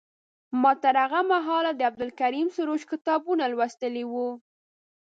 ما تر هغه مهاله د عبدالکریم سروش کتابونه لوستي وو.